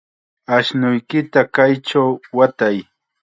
Ashnuykita kaychaw watay.